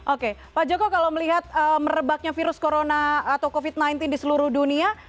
oke pak joko kalau melihat merebaknya virus corona atau covid sembilan belas di seluruh dunia